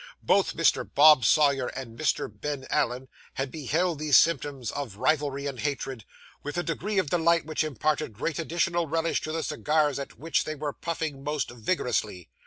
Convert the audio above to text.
Both Mr. Bob Sawyer and Mr. Ben Allen had beheld these symptoms of rivalry and hatred, with a degree of delight which imparted great additional relish to the cigars at which they were puffing most vigorously.